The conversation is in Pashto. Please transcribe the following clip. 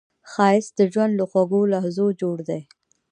ښایست د ژوند له خوږو لحظو جوړ دی